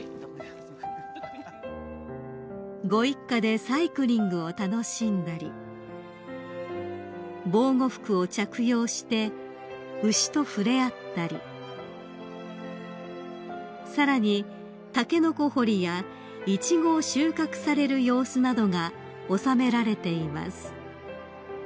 ［ご一家でサイクリングを楽しんだり防護服を着用して牛と触れ合ったりさらにタケノコ掘りやイチゴを収穫される様子などが収められています］